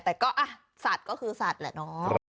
แต่ก็อ่ะสัตว์ก็คือสัตว์แหละน้อง